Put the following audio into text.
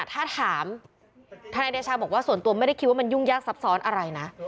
ถ้าถามทนายเดชาบอกว่าส่วนตัวไม่ได้คิดว่ามันยุ่งยากซับซ้อนอะไรนะ